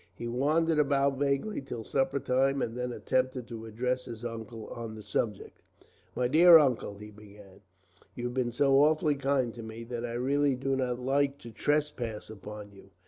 He wandered about vaguely till supper time, and then attempted to address his uncle on the subject. "My dear Uncle," he began, "you've been so awfully kind to me, that I really do not like to trespass upon you.